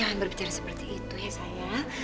jangan berbicara seperti itu ya saya